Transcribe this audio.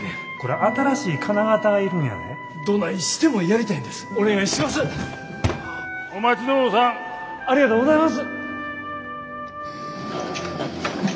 ありがとうございます！